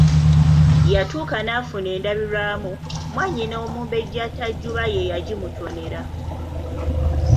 Yatuuka n'afuna endabirwamu, mwannyina Omumbejja Tajuuba ye yagimutonera.